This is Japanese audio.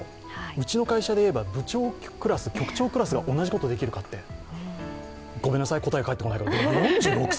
うちの会社でいえば部長クラス、局長クラスが同じことできるかってごめんなさい、答え返ってこないけど。